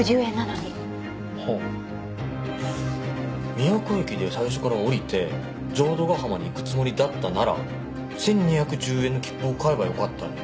宮古駅で最初から降りて浄土ヶ浜に行くつもりだったなら１２１０円の切符を買えばよかったのに。